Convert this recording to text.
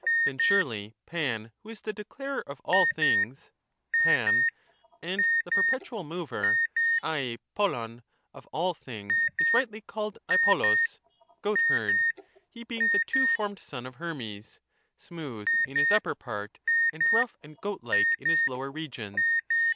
Then siirely Pan, who is the declarer of all things, (i:av) and the perpetual mover (aci oAwi') of all things, is rightly called ai rroXog (goat herd), he being the two formed son of Hermes, smooth in his upper part, and rough and goatlike in his lower regions.